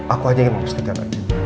aku aja ingin menyusulkan